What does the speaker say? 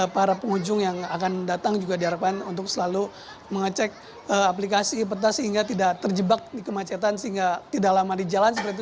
para pengunjung yang akan datang juga diharapkan untuk selalu mengecek aplikasi peta sehingga tidak terjebak di kemacetan sehingga tidak lama di jalan seperti itu